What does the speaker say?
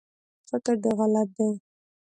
فکر دی غلط دی